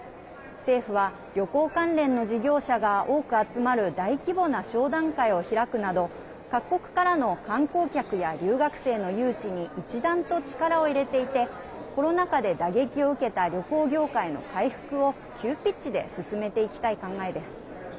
政府は、旅行関連の事業者が多く集まる大規模な商談会を開くなど各国からの観光客や留学生の誘致に一段と力を入れていてコロナ禍で打撃を受けた旅行業界の回復を急ピッチで進めていきたい考えです。